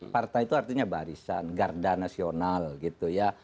partai itu artinya barisan garda nasional gitu ya